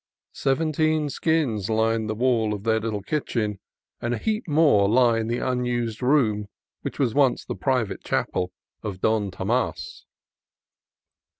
Seventeen skins line the walls of their little kitchen, and a heap more lie in the unused room which once was the private chapel of Don Tomas.